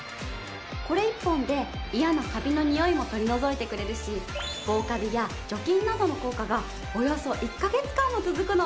これ１本で嫌なカビの臭いも取り除いてくれるし防カビや除菌などの効果がおよそ１カ月間も続くの！